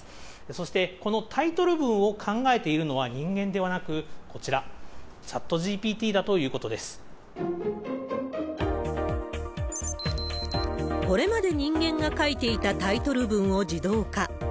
そして、このタイトル文を考えているのは人間ではなく、こちら、これまで人間が書いていたタイトル文を自動化。